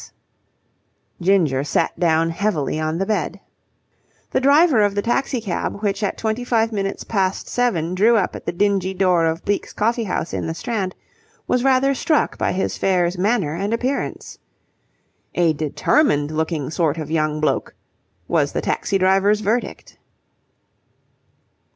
S. Ginger sat down heavily on the bed. The driver of the taxi cab which at twenty five minutes past seven drew up at the dingy door of Bleke's Coffee House in the Strand was rather struck by his fare's manner and appearance. A determined looking sort of young bloke, was the taxi driver's verdict.